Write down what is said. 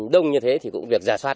đông như thế thì cũng việc giả soát